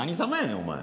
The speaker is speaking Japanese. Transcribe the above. お前！